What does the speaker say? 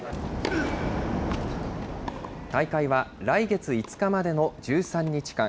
大会は来月５日までの１３日間。